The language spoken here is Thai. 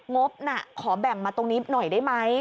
งบน่ะขอแบ่งมาตรงนี้หน่อยได้ไหม